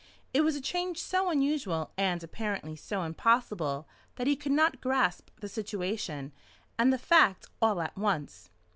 It was a change so unusual and apparently so impossible that he could not grasp the situation and the fact all at once.